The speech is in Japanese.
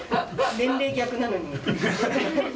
年齢逆なのに。